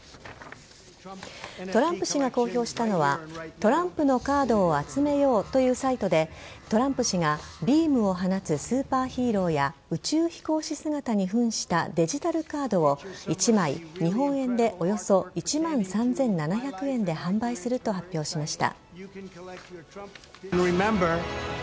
トランプ氏が公表したのはトランプのカードを集めようというサイトでトランプ氏がビームを放つスーパーヒーローや宇宙飛行士姿に扮したデジタルカードを１枚日本円でおよそ１万３７００円で販売すると発表しました。